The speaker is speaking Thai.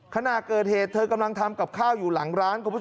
ขณะเกิดเหตุเธอกำลังทำกับข้าวอยู่หลังร้านคุณผู้ชม